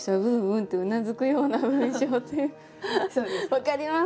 分かります！